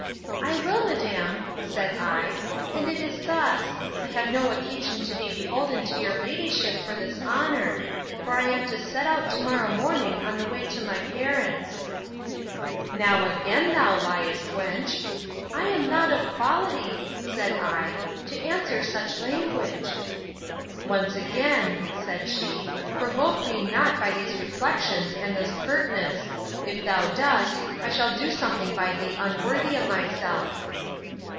I will, madam, said I, and it is thus: I have no occasion to be beholden to your ladyship for this honour; for I am to set out to morrow morning on the way to my parents.—Now again thou liest, wench!—I am not of quality, said I, to answer such language.—Once again, said she, provoke me not, by these reflections, and this pertness; if thou dost, I shall do something by thee unworthy of myself.